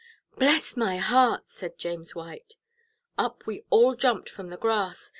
"Bless my heart!" said James White. Up we all jumped from the grass.